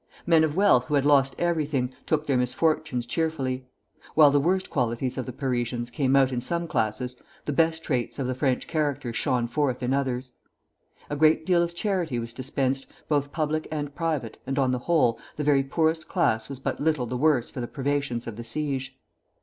Men of wealth who had lost everything, took their misfortunes cheerfully. While the worst qualities of the Parisians came out in some classes, the best traits of the French character shone forth in others. A great deal of charity was dispensed, both public and private and on the whole, the very poorest class was but little the worse for the privations of the siege.